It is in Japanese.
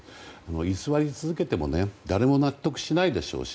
居座り続けても誰も納得しないでしょうし。